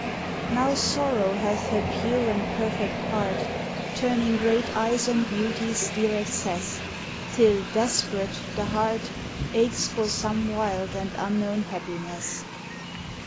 Now Sorrow hath her pure and perfect part, Turning great eyes on Beauty s dear excess, Till, desperate, the heart Aches for some wild and unknown happiness.